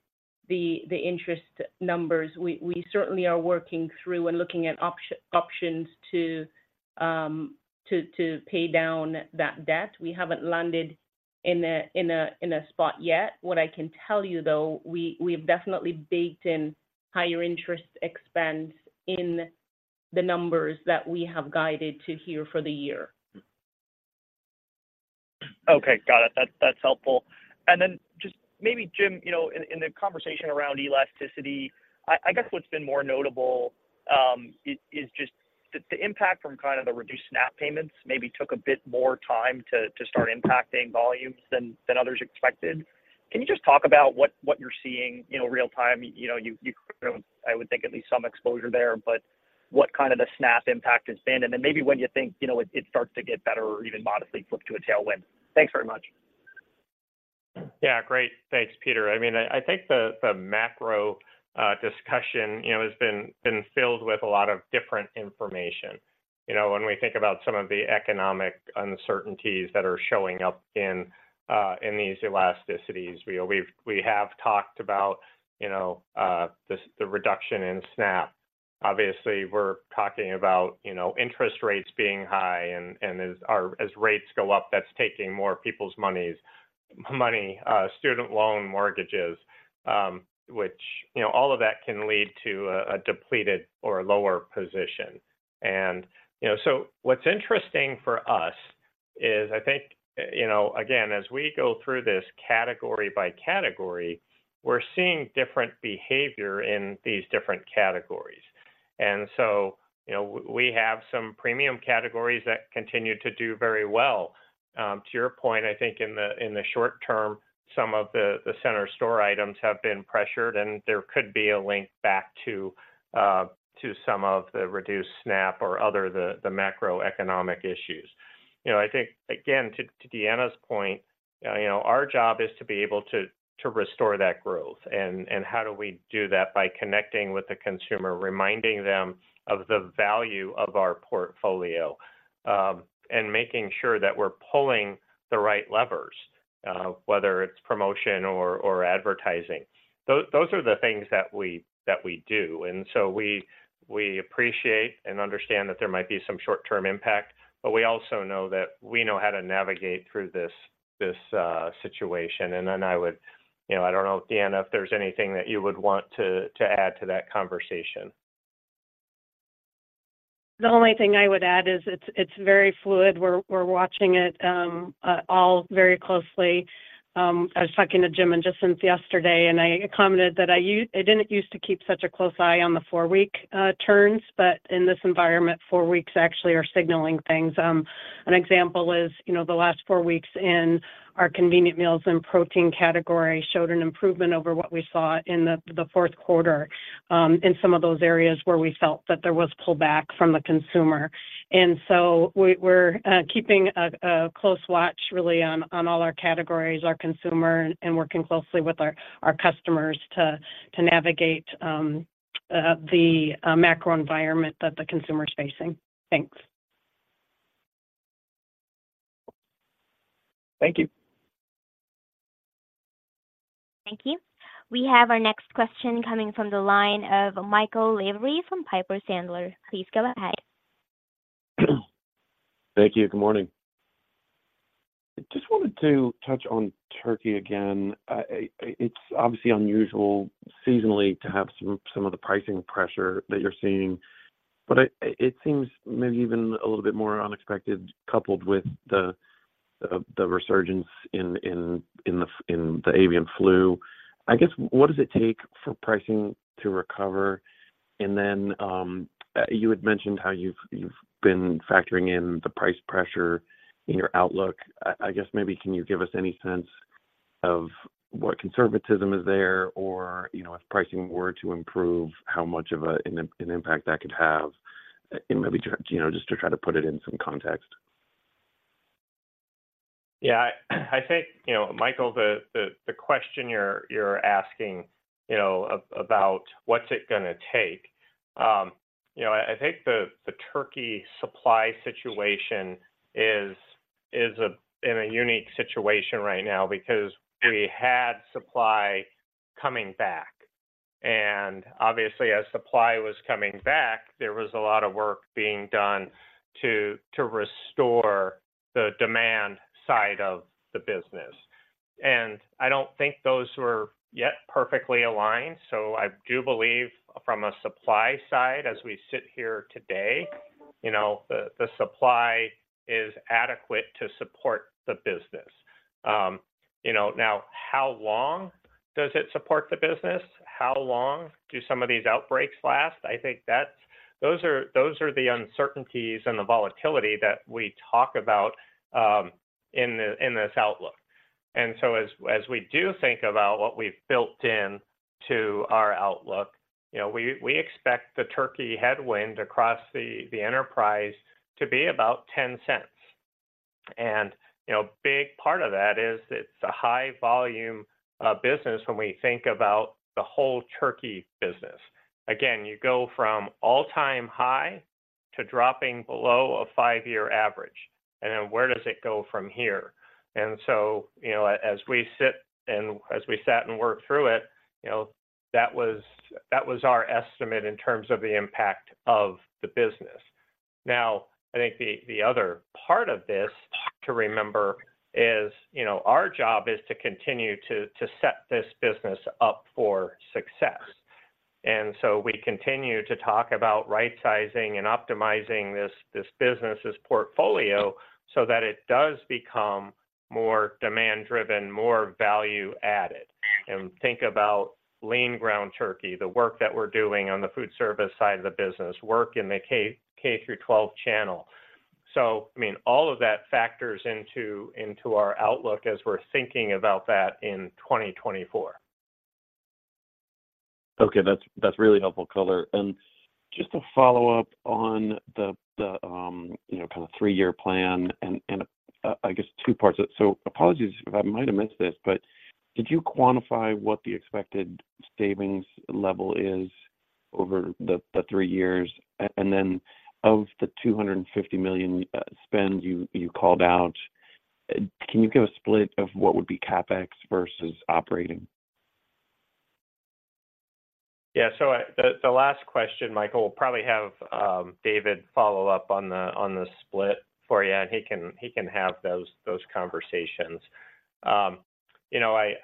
the, the interest numbers. We, we certainly are working through and looking at options to, to pay down that debt. We haven't landed in a, in a, in a spot yet. What I can tell you, though, we, we've definitely baked in higher interest expense in the numbers that we have guided to here for the year. Okay, got it. That's helpful. And then just maybe, Jim, you know, in the conversation around elasticity, I guess what's been more notable is just the impact from kind of the reduced SNAP payments maybe took a bit more time to start impacting volumes than others expected. Can you just talk about what you're seeing, you know, real time? You know, I would think at least some exposure there, but what kind of the SNAP impact has been? And then maybe when you think, you know, it starts to get better or even modestly flip to a tailwind. Thanks very much. Yeah, great. Thanks, Peter. I mean, I think the macro discussion, you know, has been filled with a lot of different information. You know, when we think about some of the economic uncertainties that are showing up in these elasticities, we have talked about, you know, the reduction in SNAP. Obviously, we're talking about, you know, interest rates being high, and as rates go up, that's taking more people's money, student loan, mortgages, which, you know, all of that can lead to a depleted or a lower position. And, you know, so what's interesting for us is, I think, you know, again, as we go through this category by category, we're seeing different behavior in these different categories. So, you know, we have some premium categories that continue to do very well. To your point, I think in the short term, some of the center store items have been pressured, and there could be a link back to some of the reduced SNAP or other macroeconomic issues. You know, I think, again, to Deanna's point, you know, our job is to be able to restore that growth. And how do we do that? By connecting with the consumer, reminding them of the value of our portfolio, and making sure that we're pulling the right levers, whether it's promotion or advertising. Those, those are the things that we, that we do, and so we, we appreciate and understand that there might be some short-term impact, but we also know that we know how to navigate through this, this, situation. And then I would, you know, I don't know, Deanna, if there's anything that you would want to, to add to that conversation. The only thing I would add is it's very fluid. We're watching it all very closely. I was talking to Jim and just since yesterday, and I commented that I didn't use to keep such a close eye on the four-week turns, but in this environment, four weeks actually are signaling things. An example is, you know, the last four weeks in our convenient meals and protein category showed an improvement over what we saw in the fourth quarter, in some of those areas where we felt that there was pullback from the consumer. And so we're keeping a close watch, really, on all our categories, our consumer, and working closely with our customers to navigate the macro environment that the consumer is facing. Thanks. Thank you. Thank you. We have our next question coming from the line of Michael Lavery from Piper Sandler. Please go ahead. Thank you. Good morning. I just wanted to touch on turkey again. It's obviously unusual seasonally to have some of the pricing pressure that you're seeing, but it seems maybe even a little bit more unexpected, coupled with the resurgence in the avian flu. I guess, what does it take for pricing to recover? And then, you had mentioned how you've been factoring in the price pressure in your outlook. I guess maybe can you give us any sense of what conservatism is there? Or, you know, if pricing were to improve, how much of an impact that could have, and maybe just, you know, just to try to put it in some context. Yeah. I think, you know, Michael, the question you're asking, you know, about what's it gonna take? I think the turkey supply situation is in a unique situation right now because we had supply coming back. And obviously, as supply was coming back, there was a lot of work being done to restore the demand side of the business. And I don't think those were yet perfectly aligned, so I do believe from a supply side, as we sit here today, you know, the supply is adequate to support the business. You know, now, how long does it support the business? How long do some of these outbreaks last? I think that's, those are the uncertainties and the volatility that we talk about in this outlook. And so as we do think about what we've built in to our outlook, you know, we expect the turkey headwind across the enterprise to be about $0.10. And, you know, big part of that is it's a high volume business when we think about the whole turkey business. Again, you go from all-time high to dropping below a five-year average, and then where does it go from here? And so, you know, as we sit and as we sat and worked through it, you know, that was our estimate in terms of the impact of the business. Now, I think the other part of this to remember is, you know, our job is to continue to set this business up for success. So we continue to talk about right-sizing and optimizing this business's portfolio so that it does become more demand driven, more value added... and think about lean ground turkey, the work that we're doing on the foodservice side of the business, work in the K through 12 channel. So, I mean, all of that factors into our outlook as we're thinking about that in 2024. Okay, that's really helpful color. And just to follow up on the you know, kind of three-year plan, and I guess two parts. So apologies if I might have missed this, but did you quantify what the expected savings level is over the three years? And then of the $250 million spend you called out, can you give a split of what would be CapEx versus operating? Yeah. So the last question, Michael, we'll probably have David follow up on the split for you, and he can have those conversations. You know, I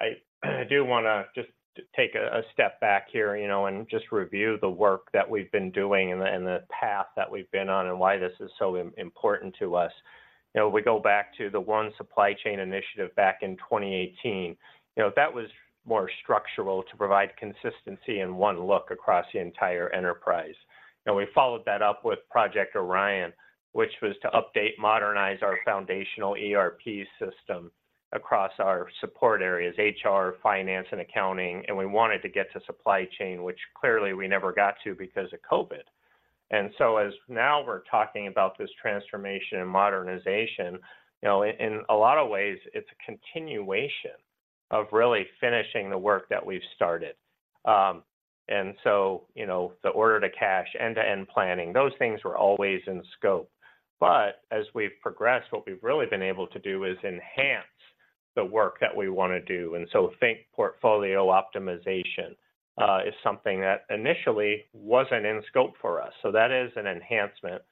do wanna just take a step back here, you know, and just review the work that we've been doing and the path that we've been on, and why this is so important to us. You know, we go back to the One Supply Chain initiative back in 2018. You know, that was more structural to provide consistency in one look across the entire enterprise. Now, we followed that up with Project Orion, which was to update, modernize our foundational ERP system across our support areas, HR, finance, and accounting. And we wanted to get to supply chain, which clearly we never got to because of COVID. And so as now we're talking about this transformation and modernization, you know, in a lot of ways, it's a continuation of really finishing the work that we've started. And so, you know, the order to cash, end-to-end planning, those things were always in scope. But as we've progressed, what we've really been able to do is enhance the work that we wanna do. And so think portfolio optimization is something that initially wasn't in scope for us. So that is an enhancement.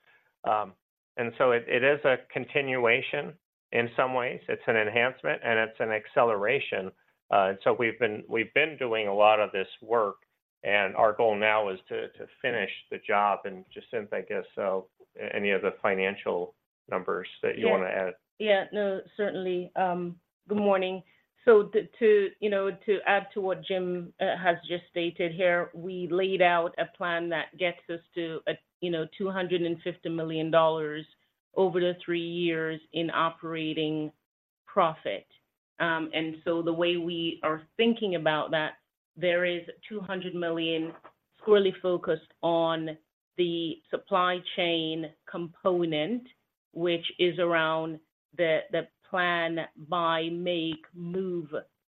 And so it is a continuation in some ways. It's an enhancement, and it's an acceleration. And so we've been doing a lot of this work, and our goal now is to finish the job. And Jacinth, I guess, any other financial numbers that you wanna add? Yeah. Yeah, no, certainly. Good morning. So to, you know, to add to what Jim has just stated here, we laid out a plan that gets us to a, you know, $250 million over the three years in operating profit. And so the way we are thinking about that, there is $200 million squarely focused on the supply chain component, which is around the Plan, Buy, Make, Move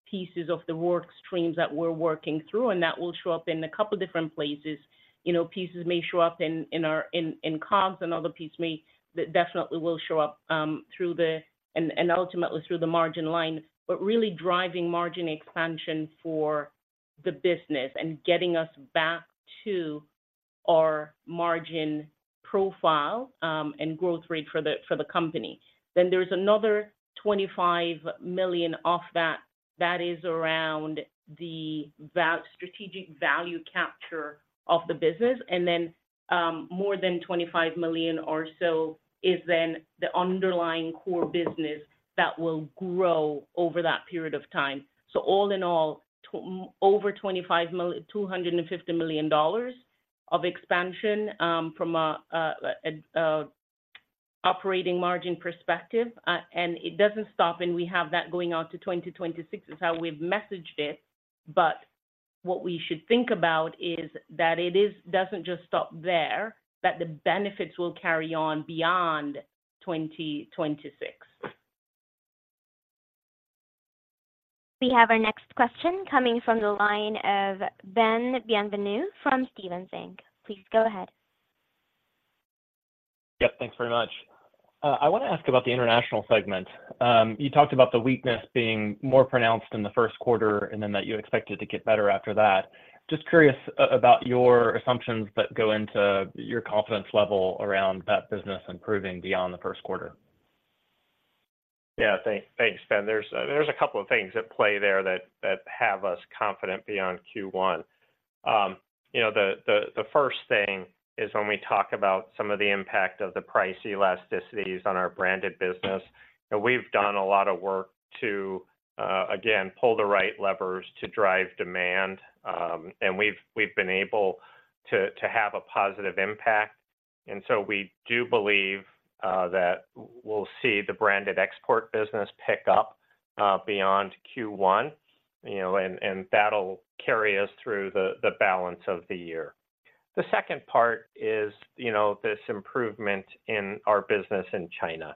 pieces of the work streams that we're working through, and that will show up in a couple different places. You know, pieces may show up in our COGS, another piece may that definitely will show up through the and ultimately through the margin line. But really driving margin expansion for the business and getting us back to our margin profile, and growth rate for the company. Then there is another $25 million off that. That is around the strategic value capture of the business, and then more than $25 million or so is then the underlying core business that will grow over that period of time. So all in all, over $250 million of expansion from an operating margin perspective. And it doesn't stop, and we have that going out to 2026 is how we've messaged it, but what we should think about is that it doesn't just stop there, that the benefits will carry on beyond 2026. We have our next question coming from the line of Ben Bienvenu from Stephens Inc. Please go ahead. Yep, thanks very much. I wanna ask about the international segment. You talked about the weakness being more pronounced in the first quarter and then that you expect it to get better after that. Just curious about your assumptions that go into your confidence level around that business improving beyond the first quarter. Yeah, thanks, Ben. There's a couple of things at play there that have us confident beyond Q1. You know, the first thing is when we talk about some of the impact of the price elasticities on our branded business, and we've done a lot of work to again pull the right levers to drive demand. And we've been able to have a positive impact. And so we do believe that we'll see the branded export business pick up beyond Q1, you know, and that'll carry us through the balance of the year. The second part is, you know, this improvement in our business in China.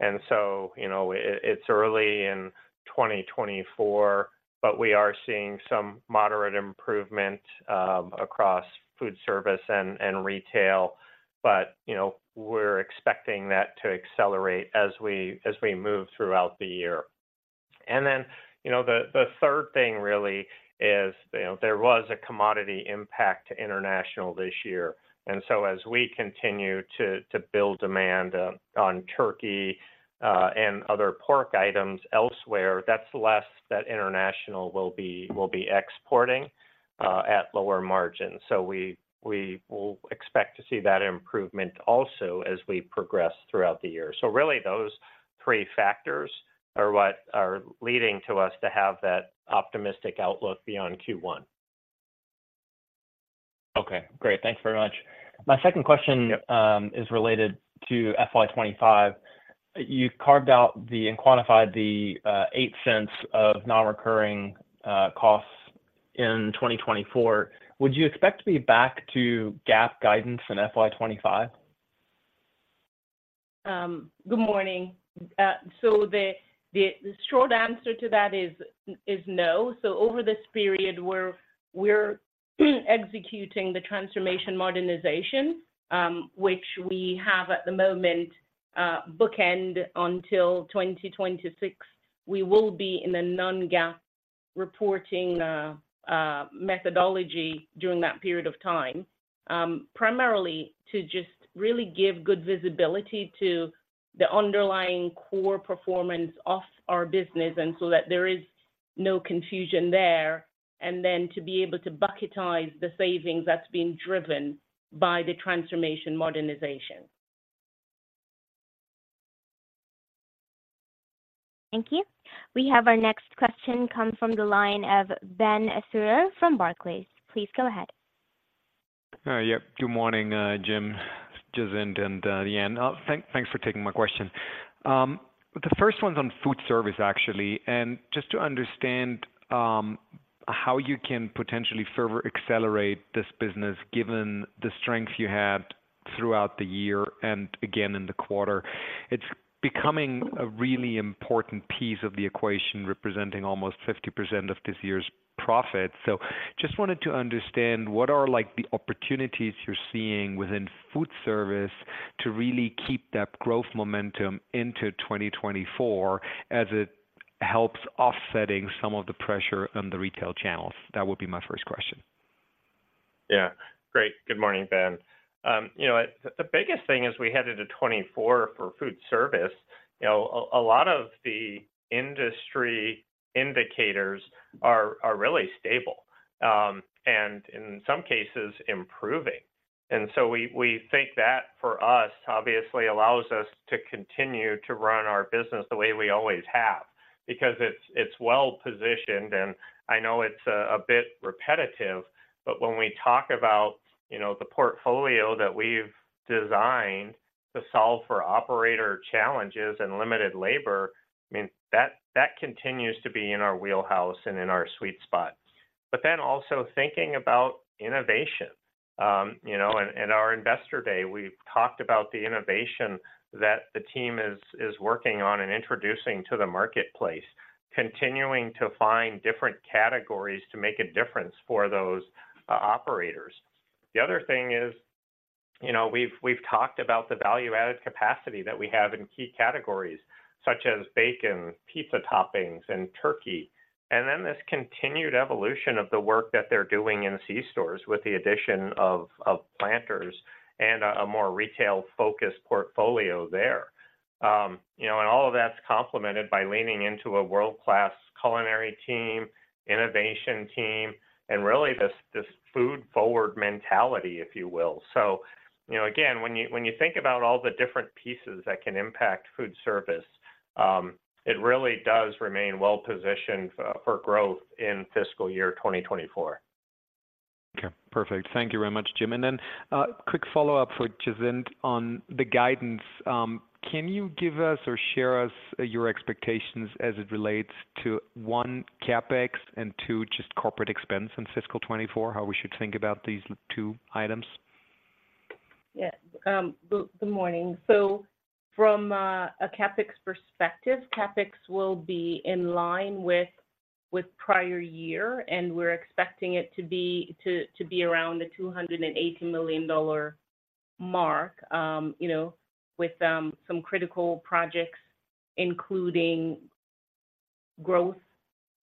And so, you know, it's early in twenty twenty-four, but we are seeing some moderate improvement across foodservice and retail. But, you know, we're expecting that to accelerate as we move throughout the year. And then, you know, the third thing really is, you know, there was a commodity impact to international this year. And so as we continue to build demand on turkey and other pork items elsewhere, that's less that international will be exporting at lower margins. So we will expect to see that improvement also as we progress throughout the year. So really, those three factors are what are leading to us to have that optimistic outlook beyond Q1. Okay, great. Thanks very much. My second question is related to FY 2025. You've carved out the, and quantified the, $0.08 of non-recurring costs in 2024. Would you expect to be back to GAAP guidance in FY 2025? Good morning. So the short answer to that is no. So over this period, we're executing the transformation modernization, which we have, at the moment, bookend until 2026. We will be in a non-GAAP reporting methodology during that period of time. Primarily to just really give good visibility to the underlying core performance of our business, and so that there is no confusion there, and then to be able to bucketize the savings that's being driven by the transformation modernization. Thank you. We have our next question come from the line of Ben Theurer from Barclays. Please go ahead. Yep. Good morning, Jim, Jacinth, and Deanna. Thanks for taking my question. The first one's on foodservice, actually, and just to understand how you can potentially further accelerate this business, given the strength you had throughout the year and again in the quarter. It's becoming a really important piece of the equation, representing almost 50% of this year's profit. So just wanted to understand, what are, like, the opportunities you're seeing within foodservice to really keep that growth momentum into 2024, as it helps offsetting some of the pressure on the retail channels? That would be my first question. Yeah. Great. Good morning, Ben. You know, the biggest thing as we head into 2024 for foodservice, you know, a lot of the industry indicators are really stable, and in some cases, improving. And so we think that, for us, obviously allows us to continue to run our business the way we always have because it's well positioned. And I know it's a bit repetitive, but when we talk about, you know, the portfolio that we've designed to solve for operator challenges and limited labor, I mean, that continues to be in our wheelhouse and in our sweet spot. But then also thinking about innovation. You know, in our Investor Day, we've talked about the innovation that the team is working on and introducing to the marketplace, continuing to find different categories to make a difference for those operators. The other thing is, you know, we've talked about the value-added capacity that we have in key categories, such as bacon, pizza toppings, and turkey. And then this continued evolution of the work that they're doing in c-stores with the addition of Planters and a more retail-focused portfolio there. You know, and all of that's complemented by leaning into a world-class culinary team, innovation team, and really this food-forward mentality, if you will. So, you know, again, when you think about all the different pieces that can impact foodservice, it really does remain well positioned for growth in fiscal year 2024. Okay, perfect. Thank you very much, Jim. And then, quick follow-up for Jacinth on the guidance. Can you give us or share us your expectations as it relates to, one, CapEx, and two, just corporate expense in fiscal 2024? How we should think about these two items. Yeah, good, good morning. So from a CapEx perspective, CapEx will be in line with prior year, and we're expecting it to be around the $280 million mark. You know, with some critical projects, including growth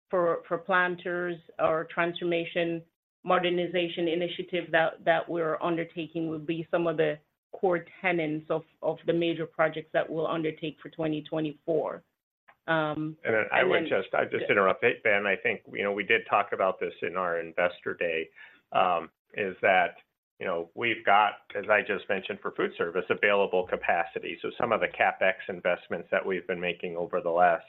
for Planters or transformation modernization initiative that we're undertaking will be some of the core tenets of the major projects that we'll undertake for 2024, and then- I'll just interrupt. Ben, I think, you know, we did talk about this in our Investor Day. That is, you know, we've got, as I just mentioned for foodservice, available capacity. So some of the CapEx investments that we've been making over the last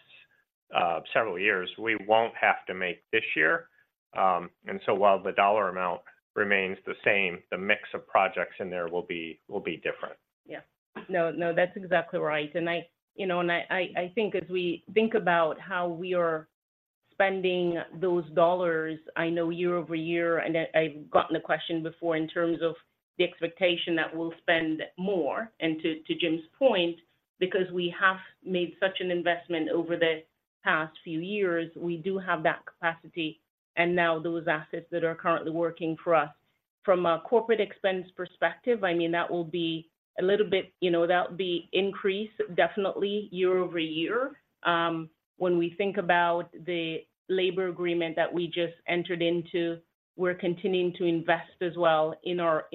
several years, we won't have to make this year. And so while the dollar amount remains the same, the mix of projects in there will be, will be different. Yeah. No, no, that's exactly right. And I, you know, think as we think about how we are spending those dollars, I know year over year, and I've gotten the question before in terms of the expectation that we'll spend more. And to Jim's point, because we have made such an investment over the past few years, we do have that capacity and now those assets that are currently working for us. From a corporate expense perspective, I mean, that will be a little bit, you know, that will be increased definitely year over year. When we think about the labor agreement that we just entered into, we're continuing to invest as well in our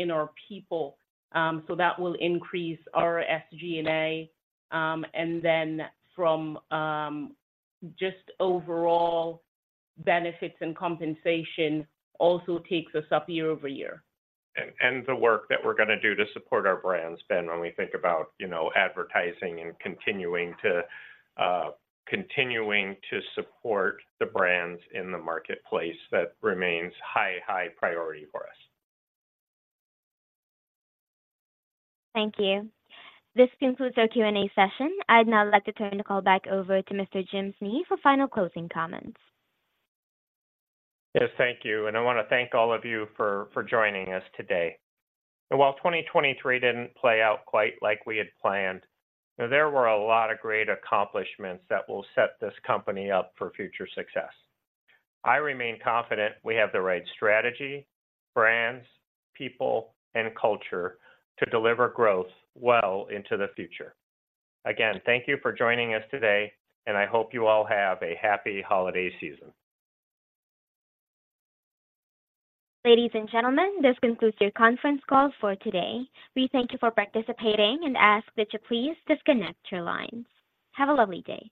people. So that will increase our SG&A. And then from just overall benefits and compensation also takes us up year over year. The work that we're gonna do to support our brands, Ben, when we think about, you know, advertising and continuing to support the brands in the marketplace, that remains high, high priority for us. Thank you. This concludes our Q&A session. I'd now like to turn the call back over to Mr. Jim Snee for final closing comments. Yes, thank you, and I want to thank all of you for joining us today. And while 2023 didn't play out quite like we had planned, there were a lot of great accomplishments that will set this company up for future success. I remain confident we have the right strategy, brands, people, and culture to deliver growth well into the future. Again, thank you for joining us today, and I hope you all have a happy holiday season. Ladies and gentlemen, this concludes your conference call for today. We thank you for participating and ask that you please disconnect your lines. Have a lovely day.